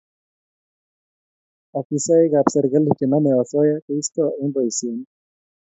Afisaekab serkali chenomei osoya keisto eng boisioni